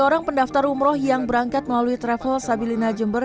enam puluh tiga orang pendaftar umroh yang berangkat melalui travel sabilina jember